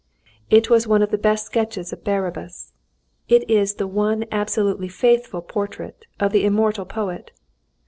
It was one of the best sketches of Barabás. It is the one absolutely faithful portrait of the immortal poet.